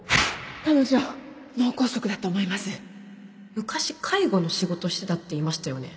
「昔介護の仕事してた」って言いましたよね